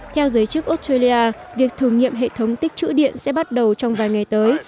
theo giới chức australia việc thử nghiệm hệ thống tích trữ điện sẽ bắt đầu trong vài ngày tới